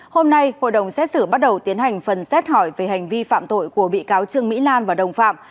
hôm nay hội đồng xét xử bắt đầu tiến hành phần xét hỏi về hành vi phạm tội của bị cáo trương mỹ lan và đồng phạm